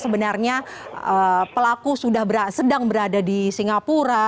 sebenarnya pelaku sudah sedang berada di singapura